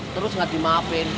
terus gak dimaafin